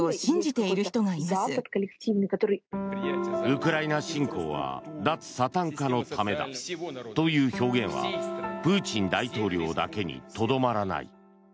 ウクライナ侵攻は脱サタン化のためだという表現はプーチン大統領だけにとどまらない。